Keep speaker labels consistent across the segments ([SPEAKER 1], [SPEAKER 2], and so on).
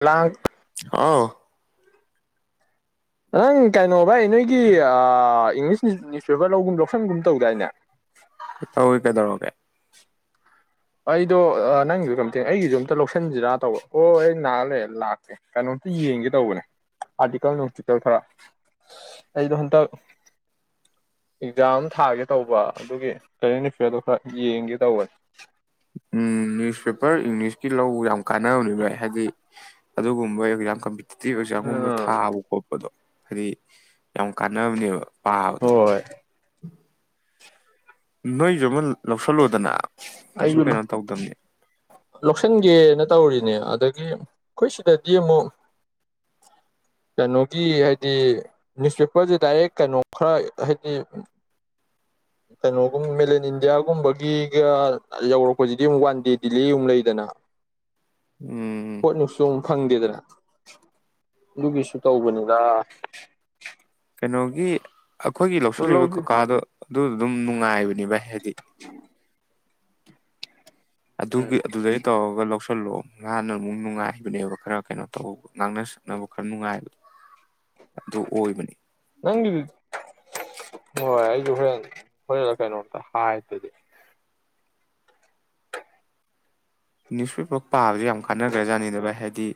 [SPEAKER 1] ꯂꯥꯡ
[SPEAKER 2] ꯍꯥꯎ
[SPEAKER 1] ꯅꯪ ꯀꯩꯅꯣ ꯚꯥꯏ ꯅꯣꯏꯒꯤ ꯏꯪꯂꯤꯁ ꯅ꯭ꯌꯨꯁꯄꯦꯄꯔ ꯂꯧꯒꯨꯝ ꯂꯧꯁꯟꯒꯨꯝ ꯇꯧꯗꯥꯏꯅꯦ
[SPEAKER 2] ꯇꯧꯏ ꯀꯩꯗꯧꯔꯒꯦ
[SPEAKER 1] ꯑꯩꯗꯣ ꯅꯪꯁꯨ ꯀꯔꯤꯝꯅꯠꯇꯦ ꯑꯩꯒꯤꯁꯨ ꯑꯝꯇ ꯂꯧꯁꯤꯟꯁꯤꯔꯥ ꯇꯧꯕ ꯑꯣ ꯑꯩ ꯉꯥꯏꯍꯛ ꯂꯩꯔ ꯥꯛꯀꯦ ꯀꯩꯅꯣꯝꯇ ꯌꯦꯡꯒꯦ ꯇꯧꯕꯅꯦ ꯑꯥꯔꯇꯤꯀꯜ ꯅꯨꯡꯇꯤꯀꯜ ꯈꯔ ꯑꯩꯗꯣ ꯍꯟꯇꯛ ꯑꯦꯛꯖꯥꯝ ꯊꯥꯒꯦ ꯇꯧꯕ ꯑꯗꯨꯒꯤ ꯀꯔꯦꯟ ꯑꯦꯐꯤꯌꯥꯔꯗꯨ ꯈꯔ ꯌꯦꯡꯒꯦ ꯇꯧꯕꯅꯤ
[SPEAKER 2] ꯎꯝ ꯅꯤꯌꯨꯁ ꯄꯦꯄꯔ ꯏꯪꯂꯤꯁꯀꯤ ꯂꯧꯕ ꯌꯥꯝ ꯀꯥꯟꯅꯕꯅꯤ ꯕꯥꯏ ꯍꯥꯏꯗꯤ ꯑꯗꯨꯒꯨꯝꯕ ꯑꯦꯛꯖꯥ ꯀꯝꯄꯤ ꯇꯤꯇꯤꯞ ꯑꯦꯚꯖꯥꯝꯒꯨꯝꯕ
[SPEAKER 1] ꯎꯝ
[SPEAKER 2] ꯊꯥꯕ ꯈꯣꯠꯄꯗꯣ ꯍꯥꯏꯗꯤ ꯌꯥꯝ ꯀꯥꯟꯅꯕꯅꯦꯕ ꯄꯥꯕꯗꯣ
[SPEAKER 1] ꯍꯣꯏ
[SPEAKER 2] ꯅꯣꯏꯖꯨ ꯑꯃꯟ
[SPEAKER 1] ꯑꯩꯁꯨ ꯂꯧ
[SPEAKER 2] ꯇꯧꯗꯝꯅꯤ
[SPEAKER 1] ꯂꯩꯁꯤꯟꯒꯦꯅ ꯇꯧꯔꯤꯅꯦ ꯑꯗ ꯒꯤ ꯑꯈꯣꯏ ꯁꯤꯗꯗꯤ ꯑꯃꯨꯛ ꯀꯩꯅꯣꯒꯤ ꯍꯥꯏꯗꯤ ꯅ꯭ꯌꯨꯁꯄꯦꯄꯔꯁꯦ ꯗꯥꯏꯔꯦꯛ ꯀꯩꯅꯣ ꯈꯔ ꯍꯥꯏꯗꯤ ꯀꯩꯅꯣꯒꯨꯝ ꯃꯦꯂꯟ ꯏꯟꯗꯤꯌꯥꯒꯨꯝꯕꯒꯤꯒ ꯌꯧꯔꯛꯄꯁꯤꯗꯤ ꯑꯃꯨꯛ ꯋꯥꯟ ꯗꯦ ꯗꯤꯂꯦꯥ ꯑꯃꯨꯛ ꯂꯩꯗꯅ
[SPEAKER 2] ꯎꯝ
[SPEAKER 1] ꯍꯣꯠ ꯅꯤꯎꯁꯁꯨ ꯑꯃꯨꯛ ꯐꯪꯗꯦꯗꯅ ꯑꯗꯨꯒꯤꯁꯨ ꯇꯧꯕꯅꯤꯗ
[SPEAKER 2] ꯀꯩꯅꯣꯒꯤ ꯑꯩꯈꯣꯏꯒꯤ
[SPEAKER 1] ꯑꯗꯨ
[SPEAKER 2] ꯂꯧꯁꯤꯜꯂꯤꯕ
[SPEAKER 1] ꯂꯧꯗꯦ
[SPEAKER 2] ꯀꯀꯥꯗ ꯑꯗꯨ ꯑꯗꯨꯝ ꯅꯨꯡꯉꯥꯏꯕꯅꯤ ꯚꯥꯏ ꯍꯥꯏꯗꯤ
[SPEAKER 1] ꯎꯝ
[SPEAKER 2] ꯑꯗꯨꯒꯤ ꯑꯗꯨꯗꯩ ꯇꯧꯔꯒ ꯂꯧ ꯁꯜꯂꫭ ꯃꯥꯥꯅ ꯑꯃꯨꯛ ꯅꯨꯡꯉꯥꯏꯕꯅꯦꯕ ꯈꯔ ꯀꯩꯅꯣ ꯇꯧꯕ ꯉꯥꯡꯅ ꯁꯛꯅꯕ ꯈꯔ ꯅꯨꯡꯉꯥꯏꯕꯗꯣ ꯑꯗꯨ ꯑꯣꯏꯕꯅꯤ
[SPEAKER 1] ꯅꯪꯒꯤꯗꯨ ꯍꯣꯏ ꯑꯩꯁꯨ ꯍꯣꯔꯦꯟ ꯍꯣꯔꯦꯟꯂꯥ ꯀꯥꯏꯩꯅꯣ ꯑꯝꯇ ꯍꯥꯥꯏꯗꯗꯤ
[SPEAKER 2] ꯅ꯭ꯌꯨꯁꯄꯦꯄꯔ ꯄꯥꯕꯁ ꯌꯥꯝ ꯀꯥꯟꯅꯈ꯭ꯔꯖꯥꯠꯅꯤꯗꯕ ꯍꯥꯏꯗꯤ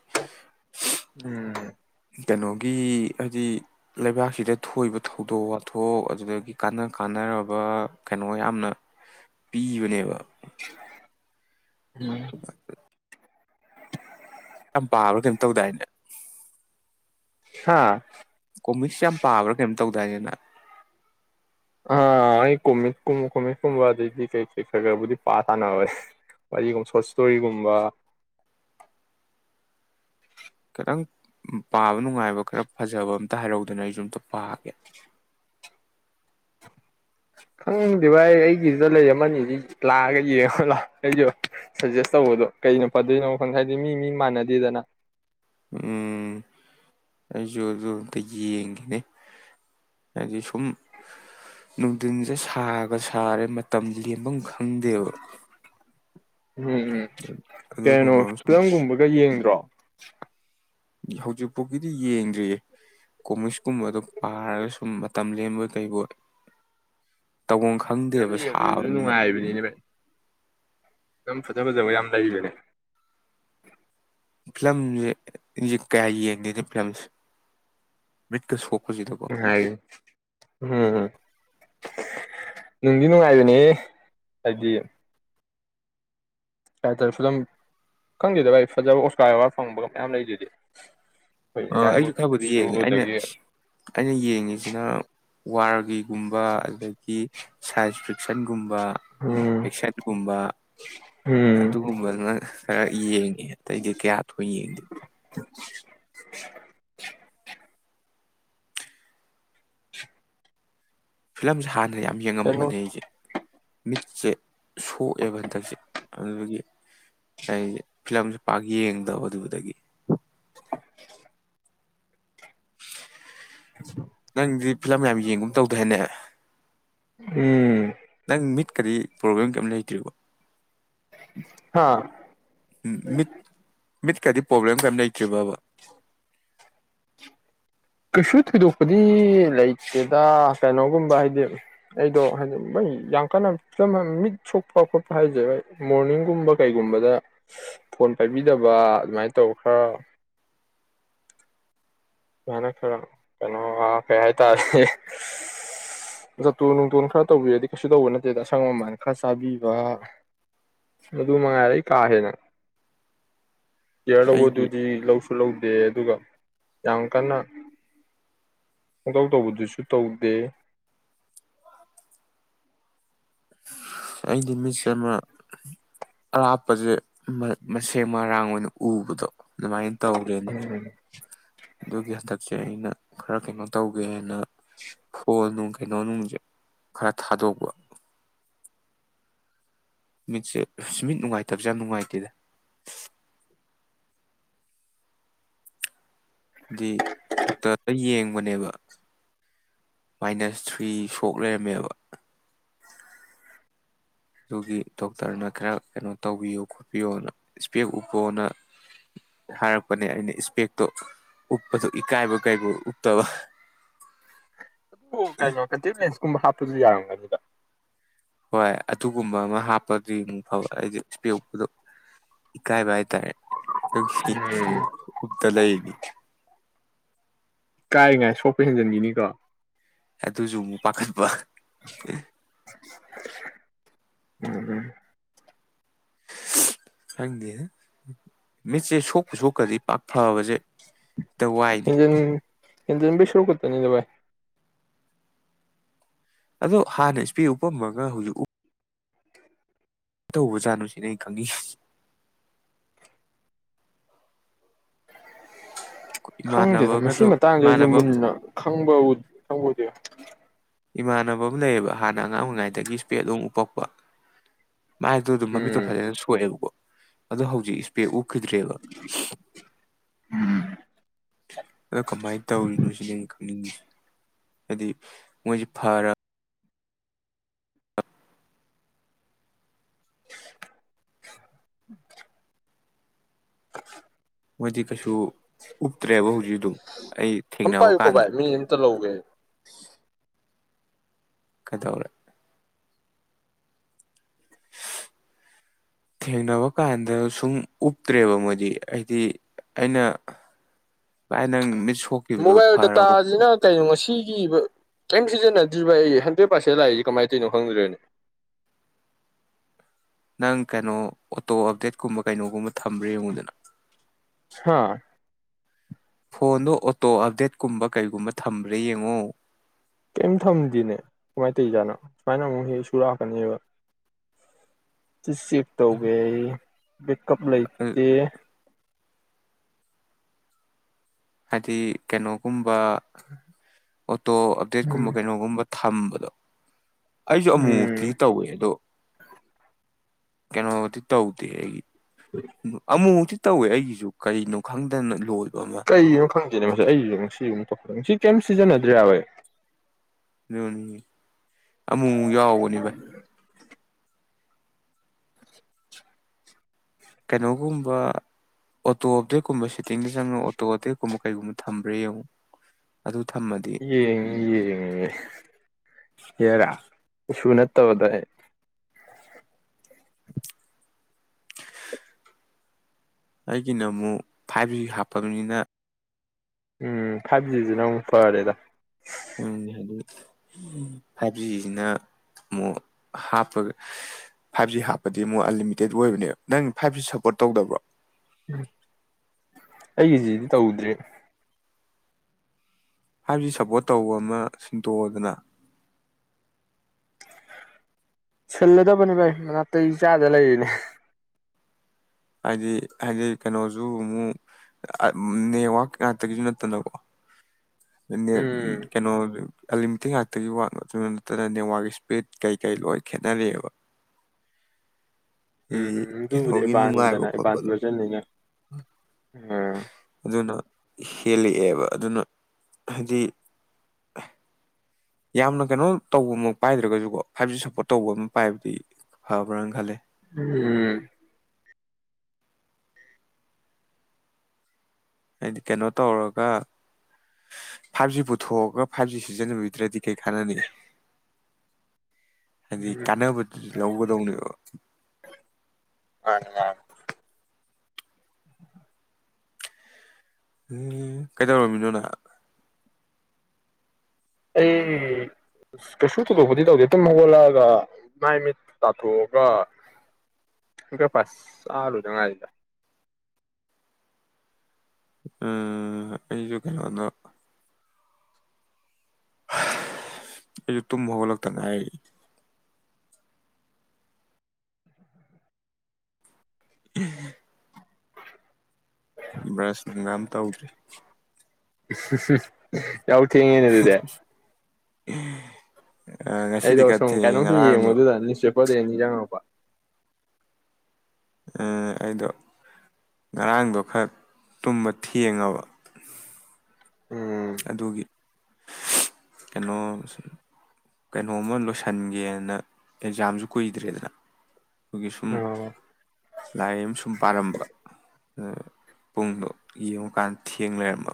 [SPEAKER 1] ꯎꯝ
[SPEAKER 2] ꯀꯩꯅꯣꯒꯤ ꯍꯥꯏꯗꯤ ꯂꯩꯕꯥꯛꯁꯤꯗ ꯊꯣꯛꯏꯕ ꯊꯧꯗꯣꯛ ꯋꯥꯊꯣꯛ ꯑꯗꯨꯗꯒꯤ ꯀꯥꯟꯅ ꯀꯥꯟꯅꯔꯕ ꯀꯩꯅꯣ ꯌꯥꯝꯅ ꯄꯤꯕꯅꯦꯕ
[SPEAKER 1] ꯎꯝ
[SPEAKER 2] ꯌꯥꯝ ꯄꯥꯕ꯭ꯔꯥ ꯀꯩꯝ ꯇꯧꯗꯥꯏꯅꯦ
[SPEAKER 1] ꯍꯥꯥ
[SPEAKER 2] ꯀꯣꯃꯤꯛꯁ ꯌꯥꯝ ꯄꯥꯕ꯭ꯔꯥ ꯀꯩꯅꫭꯝ ꯇꯧꯗꯥꯏꯅꯦ ꯅꯪ
[SPEAKER 1] ꯑꯥ ꯑꯩ ꯀꯣꯃꯤꯛ ꯀꯨꯝ ꯀꫭꯃꯤꯛ ꯀꯨꯝꯕ ꯑ ꯀꯩ ꯀꯩ ꯈꯔ ꯈꯔꯕꯨꯗꯤ ꯄꯥ ꯁꯥꯟꯅꯕꯅꯦ ꯋꯥꯔꯤꯒꯨꯝꯕ ꯁꯣꯔꯠ ꯁꯇꯣꯔꯤꯒꯨꯝꯕ
[SPEAKER 2] ꯈꯤꯇꯪ ꯄꯥꯕ ꯅꯨꯡꯉꯥꯏꯕ ꯈꯔ ꯐꯖꯕ ꯑꯝꯇ ꯍꯥꯏꯔꯧꯗꯅ ꯑꯩꯁꯨ ꯑꯝꯇ ꯄꯥꯒꯦ
[SPEAKER 1] ꯈꯪꯗꯦ ꯚꯥꯏ ꯑꯩꯒꯤꯁꯤꯗ ꯂꯩꯔꯤꯑꯃꯅꯤꯁꯤ ꯂꯥꯛꯑꯒ ꯌꯦꯡꯉꯒ ꯂꯥꯛꯑꯣ ꯑꯩꯁꯨ ꯁꯖꯦꯁ ꯇꯧꯕꯗꯣ ꯀꯩꯅ ꯐꯗꯣꯏꯅꯣ ꯈꯪ‌ ꯍꯥꯏꯗꯤ ꯃꯤ ꯃꯤ ꯃꯥꯟꯅꯗꯦꯗꯅ
[SPEAKER 2] ꯎꯝ ꯑꯩꯁꯨ ꯑꯗꯨ ꯑꯝꯇ ꯌꯦꯡꯒꯦꯅꯦ ꯍꯥꯏꯗꯤ ꯁꯨꯝ ꯅꯨꯡꯊꯤꯟ ꯁꯦ ꯁꯥꯒ ꯁꯥꯔꯦ ꯃ ꯇꯝ ꯂꯦꯟꯚꯝ ꯈꯪ
[SPEAKER 1] ꯎꯝ ꯎꯝ ꯀꯩꯅꯣ
[SPEAKER 2] ꯑꯗꯨꯒꯨꯝꯕ ꯑꯃ ꯁꯨꯝ
[SPEAKER 1] ꯐꯤꯂꯝꯒꯨꯝꯕꯒ ꯌꯦꯡ ꯗ꯭ꯔꯣ
[SPEAKER 2] ꯍꯧꯖꯤꯛ ꯐꯥꯎꯒꯤꯗꯤ ꯌꯦꯡꯗ꯭ꯔꯤꯌꯦ ꯀꯣꯃꯤꯛꯁꯀꯨꯝꯕꯗꯣ ꯄꯥꯔꯒ ꯁꯨꯝ ꯃꯇꯝ ꯂꯦꯟꯕꫭꯏ ꯀꯩꯕꫭꯏ ꯇꯧꯐꯝ
[SPEAKER 1] ꯐꯤꯂꯝ
[SPEAKER 2] ꯈꯪꯗꯦꯕ
[SPEAKER 1] ꯌꯦꯡꯕꯗꯨꯁꯨ
[SPEAKER 2] ꯁꯥꯕꯅꯤꯅ
[SPEAKER 1] ꯅꯨꯡꯉꯥꯏꯕꯅꯤꯅꯦ ꯚꯥꯏ ꯐꯤꯂꯝ ꯐꯖ ꯐꯖꯕ ꯌꯥꯝ ꯂꯩꯕꯅꯦ
[SPEAKER 2] ꯐꯤꯂꯝꯁꯦ ꯑꯩꯖꯦ ꯀꯌꯥ ꯌꯦꯡꯗꯦꯅꯦ ꯐꯤꯂꯝꯁꯦ ꯃꯤꯠꯀ ꯁꯣꯛ
[SPEAKER 1] [unintelligible] ꯎꯝ ꯅꯨꯡꯗꯤ ꯅꯨꯡꯉꯥꯏꯕꯅꯤꯍꯦ ꯍꯥꯏꯗꯤ ꯗꯥꯛꯇꯔ ꯐꯂꯝ ꯈꯪꯗꯦꯗ ꯚꯥꯏ ꯐꯖꯕ ꯑꯣꯁꯀꯥꯔ ꯑꯋꯥꯗ ꯐꯪꯕꯒ ꯃꯌꯥꯝ ꯂꯩꯗꯨꯗꯤ ꯑꯩꯈꯣꯏ
[SPEAKER 2] ꯑ
[SPEAKER 1] ꯏꯟꯗꯤꯌꯥꯟ
[SPEAKER 2] ꯑꯩꯁꯨ ꯈꯕꯨꯗꯤ
[SPEAKER 1] ꯃꯨꯚꯤꯗꯁꯨ
[SPEAKER 2] ꯌꯦꯡꯉꯤ ꯑꯩꯅ
[SPEAKER 1] ꯑꯗꯒꯤ
[SPEAKER 2] ꯑꯩꯅ ꯌꯦꯡꯉꯤꯁꯤꯅ ꯋꯥꯔꯒꯤ ꯒꯨꯝꯕ ꯑꯗꯒꯤ ꯁꯥꯏꯟꯁ ꯐꯤꯛꯁꯟ ꯒꯨꯝꯕ
[SPEAKER 1] ꯎꯝ
[SPEAKER 2] ꯑꯦꯛꯁꯟꯒꯨꯝꯕ
[SPEAKER 1] ꯎꯝ
[SPEAKER 2] ꯑꯗꯨꯒꯨꯝꯕꯅ ꯈꯔ ꯌꯦꯡꯉꯦ ꯑꯇꯩꯗꯤ ꯀꯌꯥ ꯊꯣꯏꯅ ꯌꯦꯡꯗꯦ ꯐꯤꯂꯝꯁꯦ ꯍ ꯅ ꯌꯥꯝ
[SPEAKER 1] ꯀꯩꯅꯣ
[SPEAKER 2] ꯌꯦꯡꯉꯝꯕꯅꯦ ꯑꯩꯁꯦ ꯃꯤꯠꯁꯦ ꯁꯣꯛꯑꯦꯕ ꯍꯟꯗꯛꯁꯦ ꯑꯗꯨꯗꯒꯤ ꯑꯩꯁꯦ ꯐꯤꯂꯝꯁꯦ ꯄꯥꯛ ꯌꯦꯡꯗꯕ ꯑꯗꯨꯗꯒꯤ ꯅꯪꯗꯤ ꯐꯤꯂꯝ ꯌꯥꯝ ꯌꯦꯡ ꯒꯨꯝ ꯇꯧꯗꯥꯏꯅꯦ
[SPEAKER 1] ꯎꯝ
[SPEAKER 2] ꯅꯪ ꯃꯤꯠꯀꯗꯤ ꯄ꯭ꯔꯣꯕ꯭ꯂꯦꯝ ꯀꯩꯝ ꯂꯩꯇ꯭ꯔꯤꯕꯣ
[SPEAKER 1] ꯍꯥ
[SPEAKER 2] ꯎꯝ ꯃꯤꯠ ꯃꯤꯠꯀꯗꯤ ꯄ꯭ꯔꯣꯕ꯭ꯂꯦꯝ ꯀꯩꯝ ꯂꯩꯇ꯭ꯔꯤꯕꯕ
[SPEAKER 1] ꯀꯩꯁꯨ ꯊꯣꯏꯗꯣꯛꯄꯗꯤ ꯂꯩꯇꯦꯗ ꯀꯩꯅꯣꯒꯨꯝꯕ ꯍꯥꯏꯗꯤ ꯑꯩꯗꯣ ꯍꯥꯏꯗꯤ ꯗꯨꯝ ꯌꯥꯝ ꯀꯟꯅ ꯐꯤꯂꯝ ꯍꯥꯏ ꯃꯤꯠ ꯁꯣꯛꯄ ꯈꯣꯠꯄ ꯍꯥꯏꯁꯦ ꯍꫭꯏ ꯃꯣꯔꯅꯤꯡꯒꯨꯝꯕ ꯀꯩꯒꯨꯝꯕꯗ ꯐꯣꯟ ꯄꯥꯏꯕꯤꯗꯕ ꯑꯗꯨꯃꯥꯏꯅ ꯇꯧ ꯈ꯭ꯔ ꯑꯗꯨꯃꯥꯏꯅ ꯈꯔ ꯀꯩꯅꯣ ꯑ ꯀꯩ ꯍꯥꯏꯇꯥꯔꯦ ꯖꫭꯇꯣꯟ ꯅꯨꯡꯇꯣꯟ ꯈꯔ ꯇꯧꯕꯤꯔꯗꯤ ꯀꯩꯁꯨ ꯇꯧꯕ ꯅꯠꯇꯦꯗ ꯑꯁꯪ ꯑꯃꯃꯥꯟ ꯈꯔ ꯆꯥꯕꯤꯕ ꯑꯗꯨ ꯃꯉꯥꯏꯔꯦ ꯑꯩ ꯀꯥ ꯍꯦꯟꯅ ꯌꯥꯔ
[SPEAKER 2] ꯑꯩꯒꯤ
[SPEAKER 1] ꯂꯧꯕꯗꯨꯗꯤ ꯂꯧꯁ ꯈꯨꯜꯍꯧꯗꯦ ꯑꯗꯨꯒ ꯌꯥꯝ ꯀꯟꯅ ꯄꯪꯇꯧ ꯇꯧꯕꯗꯨꯁꯨ ꯇꯧꯗꯦ
[SPEAKER 2] ꯑꯩꯗꯤ ꯃꯤꯠꯁꯦ ꯑꯃ ꯑꯔꯥꯞꯄꯁꯦ ꯃꯁꯦꯡ ꯃꯔꯥꯡ ꯑꯣꯏꯅ ꯎꯕꯗꯣ ꯑꯗꯨꯃꯥꯏꯅ ꯇꯧꯔꯦꯅꯦ
[SPEAKER 1] ꯎꯝ
[SPEAKER 2] ꯑꯗꯨꯒꯤ ꯍꯟꯗꯛꯁꯦ ꯑꯩꯅ ꯈꯔ ꯀꯩꯅꯣ ꯇꯧꯒꯦꯅ ꯐꯣꯟ ꯅꯨꯡ ꯀꯩꯅꯣꯅꯨꯡꯁꯦ ꯈꯔ ꯊꯥꯗꯣꯛꯄ ꯃꯤꯠꯁꯦ ꯃꯤꯠ ꯅꯨꯡꯉꯥꯏꯇꯕꯖꯦ ꯌꯝ ꯅꯨꯡꯉꯥꯏꯇꯦꯗ ꯍꯥꯗꯤ ꯗꯣꯛꯇꯔꯗ ꯌꯦꯡꯕꯅꯦꯕ ꯃꯥꯏꯅꯁ ꯊ꯭ꯔꯤ ꯁꯣꯛ ꯂꯩꯔꯝꯃꯦꯕ ꯑꯗꯨꯒꯤ ꯗꯣꯛꯇꯔꯅ ꯈꯔ ꯀꯩꯅꯣ ꯇꯧꯕꯤꯌꯨ ꯈꯣꯠꯄꯤꯌꯨꯅ ꯏꯁꯄꯦꯛ ꯎꯞꯄꯣꯅ ꯍꯥꯏꯔꯛꯄꯅꯦ ꯑꯩꯅ ꯏꯁꯄꯦꯛꯇꯣ ꯎꯞꯄꯗꯣ ꯏꯀꯥꯏꯕ ꯀꯩꯕꫭꯏ ꯎꯞꯇꯕ
[SPEAKER 1] ꯎ ꯀꯩꯅꫭ ꯀꯟꯇꯦꯛ ꯂꯦꯟꯁ ꯀꯨꯝꯕ ꯍꯥꯞꯄꯁꯨ ꯌꯥꯔꯝꯒꯅꯤꯗ
[SPEAKER 2] ꯍꯣꯏ ꯑꯗꯨꯒꯨꯝꯕ ꯑꯃ ꯍꯥꯞꯄꯗꯤ ꯃꯨꯛ ꯐꯕ ꯑꯩꯗꯤ ꯁ꯭ꯄꯦꯛ ꯎꯞꯄꯗꯣ ꯏꯀꯥꯏꯕ ꯍꯥꯏꯇꯥꯔꯦ ꯗꯨꯒꯤ
[SPEAKER 1] ꯎꯝ
[SPEAKER 2] ꯎꯞꯇ ꯂꯩꯔꯤꯅꯤ
[SPEAKER 1] ꯀꯥꯏꯔꯤ ꯉꯥꯏ ꯁꯣꯛꯄ ꯍꯦꯟꯖꯤꯟꯒꯤꯅꯤꯀꯣ
[SPEAKER 2] ꯑꯗꯨꯖꯨ ꯑꯃꯨꯛ ꯄꯈꯠꯄ
[SPEAKER 1] ꯎꯝ ꯎꯝ
[SPEAKER 2] ꯈꯪꯗꯦ ꯃꯤꯠꯁꯦ ꯁꯣꯛꯄ ꯁꯣꯛꯈ꯭ꯔꯗꯤ ꯄꯥꯛ ꯐꯕꯁꯦ ꯍꯦꯛꯇ
[SPEAKER 1] [unintelligible]
[SPEAKER 2] ꯋꯥꯏꯅꯦ
[SPEAKER 1] ꯍꯦꯟꯖꯟꯕꯩ ꯁꯔꯨꯛ ꯈꯛꯇꯅꯤꯗ ꯚꯥꯏ
[SPEAKER 2] ꯑꯗꯣ ꯍꯥꯟꯅ ꯁ꯭ꯄꯦꯛ ꯎꯞꯄꯝꯃꯒ ꯍꯧꯖꯤꯛ ꯎꯞ ꯇꯧꯕ ꯖꯥꯠꯅꫭꯁꯤꯅꯤ ꯑꯩꯅ ꯈꯪꯅꯤꯡꯉꯤꯁꯤ
[SPEAKER 1] ꯈꯪꯗꯦꯗ ꯃꯁꯤ
[SPEAKER 2] ꯏꯃꯥꯟꯅꯕꯒꯗꯣ
[SPEAKER 1] ꯃꯇꯥꯡꯁꯦ ꯑꯩꯁꯨ
[SPEAKER 2] ꯏꯃꯥꯟꯅꯕ ꯑꯃ
[SPEAKER 1] ꯃꯨꯟꯅ ꯈꯪꯕ ꯈꯪꯎꯗꯦ
[SPEAKER 2] ꯏꯃꯥꯟꯅꯕ ꯑꯝ ꯂꯩꯌꯦꯕ ꯍꯥꯟꯅ ꯑꯉꯥꯡ ꯑꯣꯏꯔꯤꯉꯩꯗꯒꯤ ꯁ꯭ꯄꯦꯠ ꯑꯗꯨꯝ ꯎꯄꯛꯄ ꯃꯥꯏꯗꯣ ꯑꯗꯨꯝ ꯃꯃꯤꯠꯇꯣ
[SPEAKER 1] ꯎꯝ
[SPEAKER 2] ꯐꯖꯅ ꯁꯣꯛꯑꯦꯕꯀꯣ ꯑꯗꯣ ꯍꯧꯖꯤꯛ ꯏꯁꯄꯦꯛ ꯎꯞꯈꯤꯗ꯭ꯔꯦꯕ ꯑꯗꯣ ꯀꯃꯥꯏꯅ ꯇꯧꯔꯤꯅꯣ ꯁꯤꯅꯦ ꯑꯩꯅ ꯈꯪꯅꯤꯡꯉꯁꯤ ꯍꯥꯏꯗꯤ ꯃꯣꯏꯁꯤ ꯐꯔ
[SPEAKER 1] [inaudible] [inaudible]
[SPEAKER 2] ꯃꯣꯏꯗꯤ ꯀꯩꯁꯨ ꯎꯞꯇ꯭ꯔꯦꯕ ꯍꯧꯖꯤꯛ ꯑꯗꯨꯝ ꯑꯩ
[SPEAKER 1] ꯑꯝ
[SPEAKER 2] ꯊꯦꯡꯅꯕ
[SPEAKER 1] ꯄꯥꯏꯌꯨꯀꯣ
[SPEAKER 2] ꯀꯥꯟꯗ
[SPEAKER 1] ꯚꯥꯏ ꯃꯤꯅꯤꯠ ꯑꯝꯇ [inaudible]
[SPEAKER 2] ꯀꯗꯧꯔꯦ ꯊꯦꯡꯅꯕ ꯀꯥꯟꯗ ꯁꯨꯝ ꯎꯞꯇ꯭ꯔꯦꯕ ꯃꯣꯏꯗꯤ ꯑꯩꯗꯤ ꯑꯩꯅ ꯂꯥꯏ ꯅꯪ ꯁꯣꯛꯈꯤꯕꯗꯣ
[SPEAKER 1] ꯃꯣꯕꯥꯏꯜ
[SPEAKER 2] ꯐꯔꯕ
[SPEAKER 1] ꯗꯇꯥꯁꯤꯅ ꯀꯩꯅꯣ ꯉꯁꯤ ꯀꯔꯤꯝ ꯁꯤꯖꯤꯟꯅꯗ꯭ꯔꯤꯕ ꯑꯩ ꯍꯟꯗ꯭ꯔꯦꯠ ꯄꯥꯔꯁꯦꯟ ꯂꯥꯛꯏꯁꯦ ꯀꯃꯥꯏꯅ ꯇꯧꯔꯤꯅꯣ ꯈꯪꯗ꯭ꯔꯅꯦ
[SPEAKER 2] ꯅꯪ ꯀꯩꯅꯣ ꯑꯣꯇꯣ ꯑꯞꯗꯦꯠꯀꯨꯝꯕ ꯀꯩꯅꯣꯒꯨꯝꯕ ꯊꯝꯕ꯭ꯔꯦ ꯌꯦꯡꯉꯨꯗꯅ
[SPEAKER 1] [unintelligible]
[SPEAKER 2] ꯐꯣꯟꯗꯣ ꯑꯣꯇꯣ ꯑꯞꯗꯦꯠꯀꯨꯝꯕ ꯀꯩꯒꯨꯝꯕ ꯊꯝꯕ꯭ꯔꯦ ꯌꯦꯡꯉꯨ
[SPEAKER 1] ꯀꯔꯤꯝ ꯊꯝꯗꯤꯅꯦ ꯀꯃꯥꯏꯅ ꯇꯧꯔꯤꯖꯥꯠꯅꯣ ꯁꯨꯃꯥꯏꯅ ꯑꯃꯨꯛ ꯍꯦꯛ ꯁꯨꯔꯛꯀꯅꯦꯕ ꯁꯤ ꯆꯦꯛ ꯇꯧꯒꯦ ꯑꯩ [inaudible] ꯀꯞ ꯂꯩꯇꯦ
[SPEAKER 2] ꯍꯥꯏꯗꯤ ꯀꯩꯅꯣꯒꯨꯝꯕ ꯇꯣ ꯑꯞꯗꯦꯠ ꯀꯨꯝꯕ
[SPEAKER 1] ꯎꯝ
[SPEAKER 2] ꯀꯩꯅꯣꯒꯨꯝꯕ ꯊꯝꯕꯗꯣ ꯑꯩꯁꯨ ꯑꯃꯨꯃꯨꯛꯇꯤ
[SPEAKER 1] ꯎꯝ
[SPEAKER 2] ꯇꯧꯋꯦ ꯑꯗꯣ ꯀꯩꯅꯣꯗꯤ ꯇꯧꯗꯦ ꯍꯥꯏꯒꯤ ꯑꯃꯨꯛꯃꯨꯛꯇꯤ ꯇꯧꯋꯦ ꯑꯩꯒꯤꯁꯨ ꯀꯅꯣ ꯈꯪꯗꯅ ꯂꯣ
[SPEAKER 1] ꯀꯩꯅꯅꯣ ꯈꯪꯗꯦꯅꯦ ꯃꯁꯥꯏ ꯑꯩꯁꯨ ꯉꯁꯤ ꯑꯃꯛꯈꯠꯁꯤ ꯀꯦꯝ ꯁꯤꯖꯤꯟ ꯑꯗꯨꯔ ꯑꯣꯏꯦ
[SPEAKER 2] [unintelligible] ꯑꯃꯨꯛꯨꯛ ꯌꯥꯎꯕꯅꯤ ꯚꯥꯏ ꯀꯩꯅꯣꯒꯨꯝꯕ ꯑꯣꯇꯣ ꯑꯞꯇꯦꯛꯀꯨꯝꯕ ꯁꯤꯠꯇꯤꯡꯗ ꯆꯪꯉ ꯑꯣꯇꯣ ꯑꯞꯗꯦꯛꯀꯨꯝꯕ ꯀꯩꯒꯨꯝꯕ ꯊꯝꯕ꯭ꯔꯦ ꯌꯦꯡꯉꯨ ꯑꯗꯨ ꯊꯝꯃꯗꯤ
[SPEAKER 1] [unintelligible] ꯌꯥꯔꯥ ꯏꯁꯨ ꯅꯠꯇꯕꯗ
[SPEAKER 2] ꯑꯩꯒꯤꯅ ꯑꯃꯨꯛ ꯐꯥꯏꯚ ꯖꯤ ꯍꯥꯞꯄꯅꯤꯅ
[SPEAKER 1] ꯎꯝ ꯐꯥꯏꯚ ꯖꯤꯁꯤꯅ ꯑꯃꯨꯛ ꯐꯔꯦꯗ
[SPEAKER 2] ꯍꯥꯏꯗꯤ ꯐꯥꯏꯚ ꯖꯤꯁꯤꯅ ꯑꯃꯨꯛ ꯍꯥꯞꯄꯒ ꯐꯥꯏꯚ ꯖꯤ ꯍꯥꯞꯄꯗꯤ ꯑꯃꯨꯛ ꯑꯟꯂꯤꯃꯤꯇꯦꯠ ꯑꯣꯏꯕꯅꯦꯕ ꯅꯪ ꯐꯥꯏꯚ ꯖꯤ ꯁꯞꯄꯣꯔꯠ ꯇꯧꯗꯕ꯭ꯔꯣ
[SPEAKER 1] ꯎꯝ ꯑꯩꯒꯤꯁꯤꯗꯤ ꯇꯧꯗ꯭ꯔꯦ
[SPEAKER 2] ꯍꯥꯏꯕꯁꯤ ꯁꯞꯄꯣꯔꯠ ꯇꯧꯕ ꯑꯃ ꯁꯤꯟꯇꯣꯛꯑꯗꯅ
[SPEAKER 1] ꯁꯤꯜꯂꯗꯕꯅꯤ ꯚꯥꯏ ꯃꯅꯥꯇꯩ ꯆꯥꯗ ꯂꯩꯔꯤꯅꯦ
[SPEAKER 2] ꯍꯥꯏꯗꯤ ꯍꯥꯏꯗꯤ ꯀꯩꯅꯣꯁꯨ ꯑꯃꯨꯛ ꯅꯦꯠꯋꯥꯛ ꯉꯥꯛꯇꯒꯤꯁꯨ ꯅꯠꯇꯅꯀꯣ
[SPEAKER 1] ꯎꯝ
[SPEAKER 2] ꯀꯩꯅꯣ ꯑꯂꯤꯃꯤꯇꯤꯡ ꯉꯥꯛꯇꯒꯤ ꯋꯥꯠꯗꯨꯅ ꯅꯠꯇꯅ ꯅꯦꯠꯋꯥꯛꯀꯤ ꯏꯁꯄꯤꯠ ꯀꯩꯀꯩ ꯂꯣꯏ ꯈꯦꯠꯅꯔꯛꯦꯕ
[SPEAKER 1] ꯎꯝ ꯑꯗꯨꯕꯨꯗꯤ
[SPEAKER 2] ꯀꯩꯅꯣꯒꯤ
[SPEAKER 1] ꯏꯕꯥꯟꯗꯅ
[SPEAKER 2] ꯅꯨꯡꯉꯥꯏꯕ
[SPEAKER 1] ꯏꯕꯥꯟ
[SPEAKER 2] ꯈꯣꯠꯄꯗꯣ
[SPEAKER 1] ꯖꯟꯅꯤꯅ ꯎꯝ
[SPEAKER 2] ꯑꯗꯨꯅ ꯍꯦꯜꯂꯛꯑꯦꯕ ꯑꯗꯨꯅ ꯍꯥꯏꯗꯤ ꯌꯥꯝꯅ ꯀꯩꯅꯣ ꯇꯧꯕ ꯑꯃ ꯄꯥꯏꯗ꯭ꯔꯒꯁꯨꯀꯣ ꯍꯥꯏꯕꯗꯤ ꯁꯞꯄꯣꯔꯠ ꯇꯧꯕ ꯑꯃ ꯄꯥꯏꯕꯗꯤ ꯐꯕ꯭ꯔꯅ ꯈꯜꯂꯦ
[SPEAKER 1] ꯎꯝ
[SPEAKER 2] ꯍꯥꯏꯗꯤ ꯀꯩꯅꯣ ꯇꯧꯔꯒ ꯐꯥꯏꯚ ꯖꯤ ꯄꯨꯊꯣꯛꯑꯒ ꯐꯥꯏꯚ ꯖꯤ ꯁꯤꯖꯤꯟꯅꯕꯤꯗ꯭ꯔꯗꯤ ꯀꯩ ꯀꯥꯟꯅꯅꯤ ꯍꯥꯏꯗꯤ
[SPEAKER 1] ꯎꯝ
[SPEAKER 2] ꯀꯥꯟꯅꯕꯗꯨ ꯂꯧꯒꯗꯧꯅꯦꯕ
[SPEAKER 1] ꯅꯤ
[SPEAKER 2] ꯎꯝ ꯀꯩꯗꯧꯔꯝꯃꯤꯅꯣ ꯅꯍ
[SPEAKER 1] ꯑꯩ ꯀꯩꯁꯨ ꯊꯣꯏꯗꯣꯛꯄꯗꯤ ꯇꯧꯗꯦ ꯑꯗꯨꯝ ꯍꯧꯒꯠꯂꯛꯑꯒ ꯃꯥꯏ ꯃꯤꯠ ꯇꯥꯊꯣꯛꯑꯒ ꯕ꯭ꯔꯦꯛꯐꯥꯁ ꯆꯥꯂꯣꯏꯗꯉꯥꯏꯁꯤꯗ
[SPEAKER 2] ꯎꯝ ꯑꯩꯁꯨ ꯀꯩꯅꯗꯣ ꯑꯩꯁꯨ ꯇꯨ ꯃ ꯍꯧꯕꯂ ꯇ ꯅꯥꯏꯔꯤ ꯎꯝ ꯕ꯭ꯔꯁ ꯅꯨꯡꯒꯥꯝ ꯇꯧꯗ꯭ꯔꯤ
[SPEAKER 1] [unintelligible] ꯌꯥꯎꯠꯤ ꯌꯦꯉꯦꯅꯗꯗꯦ
[SPEAKER 2] ꯎꯝ
[SPEAKER 1] ꯑꯩꯗꯣ ꯁꯨꯝ ꯀꯩꯅꯣꯝ ꯁꯨꯝ ꯌꯦꯡꯉꯣꯗꯨꯗ ꯅ꯭ꯌꯨꯁꯄꯦꯄꯔꯗ ꯑꯦꯅꯤ ꯆꯪꯉꯛꯄ
[SPEAKER 2] ꯑꯩꯗꯣ ꯉꯔꯥꯡꯗꯣ ꯈꯔ ꯇꯨꯝꯕ ꯊꯦꯡꯉꯕ
[SPEAKER 1] ꯎꯝ
[SPEAKER 2] ꯑꯗꯨꯒꯤ ꯀꯩꯅꯣ ꯀꯩꯅꯣꯝꯃ ꯂꯣꯏꯁꯤꯟꯒꯦꯅ ꯑꯦꯛꯖꯥꯝꯁꯨ ꯀꯨꯏꯗ꯭ꯔꯦꯗꯅ ꯑꯩꯈꯣꯏꯒꯤ ꯁꯨꯝ
[SPEAKER 1] ꯑꯣ
[SPEAKER 2] ꯂꯥꯏ ꯑꯃ ꯁꯨꯝ ꯄꯥꯔꯝꯕ ꯑ ꯄꯨꯡꯗꯣ ꯌꯦꯡꯨꯀꯥꯟ ꯊꯦꯡꯅꯔꯝꯕ